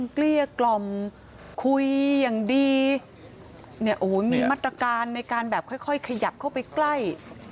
เกลี้ยกล่อมคุยอย่างดีเนี่ยโอ้โหมีมาตรการในการแบบค่อยขยับเข้าไปใกล้